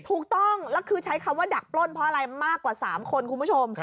ถูกต้องแล้วคือใช้คำว่าดักปล้นเพราะอะไรมากกว่า๓คนคุณผู้ชม